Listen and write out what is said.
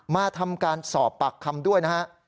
มาทำการสอบปากคำด้วยนะฮะ